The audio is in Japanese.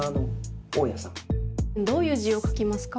どういう字を書きますか？